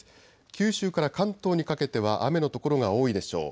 九州から関東にかけては雨の所が多いでしょう。